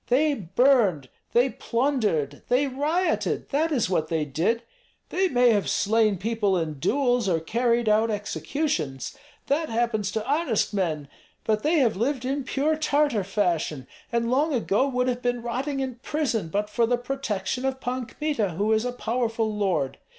They burned, they plundered, they rioted; that is what they did. They may have slain people in duels or carried out executions, that happens to honest men; but they have lived in pure Tartar fashion, and long ago would have been rotting in prison but for the protection of Pan Kmita, who is a powerful lord.